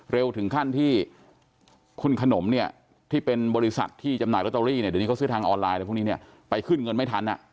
ถึงขั้นที่คุณขนมเนี่ยที่เป็นบริษัทที่จำหน่ายลอตเตอรี่เนี่ยเดี๋ยวนี้เขาซื้อทางออนไลน์อะไรพวกนี้เนี่ยไปขึ้นเงินไม่ทัน